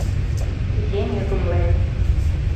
Еҥ ӧкымлен.